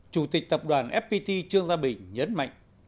chủ tịch tập đoàn fpt trương gia bình nhấn mạnh